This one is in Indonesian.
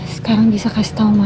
sekarang bisa kasih tau